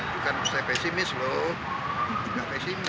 bukan saya pesimis loh